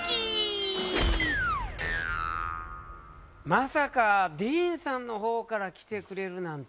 まさかディーンさんの方から来てくれるなんてね。